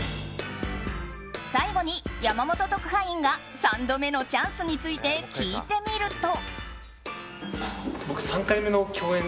最後に山本特派員が３度目のチャンスについて聞いてみると。